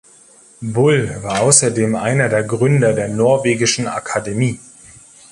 Bull war außerdem einer der Gründer der Norwegischen Akademie.